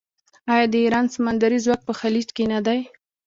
آیا د ایران سمندري ځواک په خلیج کې نه دی؟